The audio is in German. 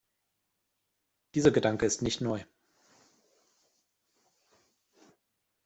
Dieser Gedanke ist nicht neu.